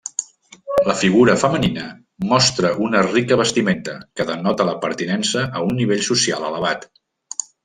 La figura femenina mostra una rica vestimenta, que denota la pertinença un nivell social elevat.